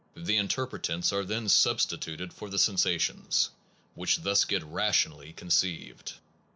The interpretants are then substituted for the sensations, which thus get rationally conceived.